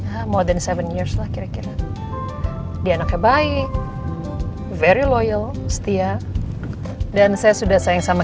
ya lebih dari tujuh tahun lah kira kira dia anaknya baik very loyal setia dan saya sudah sayang sama